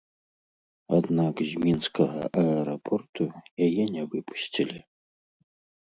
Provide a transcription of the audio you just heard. Аднак з мінскага аэрапорту яе не выпусцілі.